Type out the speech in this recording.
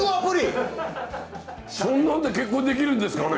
そんなんで結婚できるんですかね。